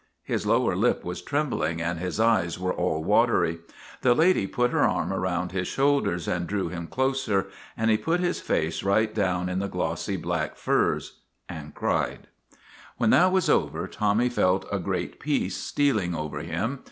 His lower lip was trembling and his eyes were all watery. The lady put her arm around his shoulders and drew him closer, and he MAGINNIS 65 put his face right down in the glossy black furs and cried. When that was over, Tommy felt a great peace stealing over him.